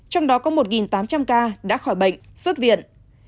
trong đó có một tám trăm linh ca đã khỏi bệnh xuất viện